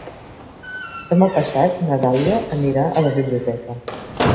Demà passat na Dàlia anirà a la biblioteca.